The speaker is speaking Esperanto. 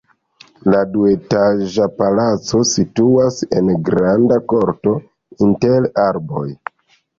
La duetaĝa palaco situas en granda korto inter arboj.